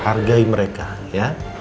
hargai mereka ya